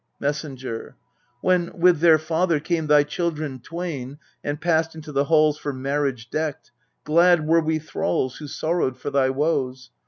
Messenger. When, with their father, came thy children twain, And passed into the halls for marriage decked, Glad were we thralls who sorrowed for thy woes.